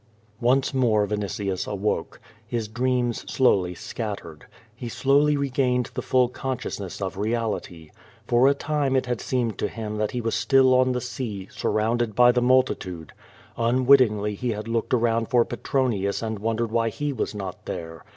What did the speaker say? Once more Vinitius awoke. His dreams slowly scattered. He slowly regained the full consciousness of reality. For a time it had seemed to him that he was still on the sea, sur rounded by the multitude. Unwittingly he had looked around for Petronius and wondered why he was not there.